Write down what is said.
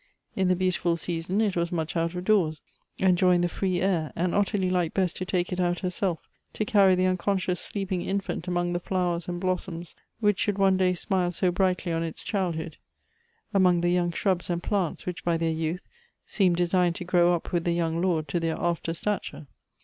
In the beautiful season it was much out of doors, enjoying the free air, and Ottilie liked best to take it out herself, to carry the unconscious sleeping infiint among the flowers and blossoms which should one day smile so brightly on its childhood, — among the young shrubs and plants, which, by their youth, seemed designed to grow up with the young lord to their after stature.